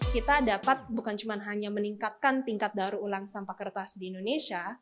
kita dapat bukan cuma hanya meningkatkan tingkat daur ulang sampah kertas di indonesia